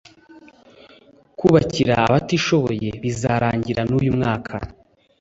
kubakira abatishoboye bizarangira nuyu mwaka